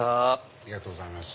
ありがとうございます。